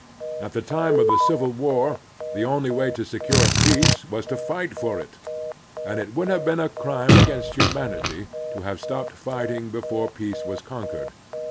At the time of the Civil War the only way to secure peace was to fight for it, and it wotdd have been a crime against hiunanity to have stopped fighting before peace was con quered.